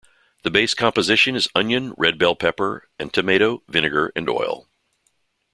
The base composition is onion, red bell pepper and tomato, vinegar and oil.